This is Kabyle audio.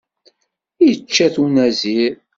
Ičča-t unazir.